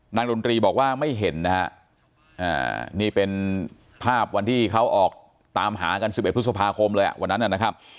ดนตรีบอกว่าไม่เห็นนะฮะนี่เป็นภาพวันที่เขาออกตามหากัน๑๑พฤษภาคมเลยวันนั้นนะครับ